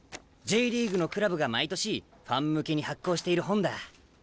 Ｊリーグのクラブが毎年ファン向けに発行している本だ。